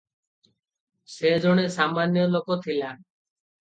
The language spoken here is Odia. ସେ ଜଣେ ସାମାନ୍ୟ ଲୋକ ଥିଲା ।